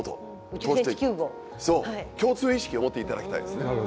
そう共通意識を持っていただきたいですね。